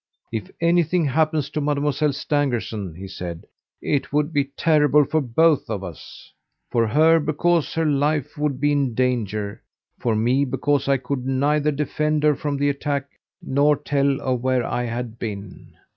'If anything happens to Mademoiselle Stangerson,' he said, 'it would be terrible for both of us. For her, because her life would be in danger; for me because I could neither defend her from the attack nor tell of where I had been.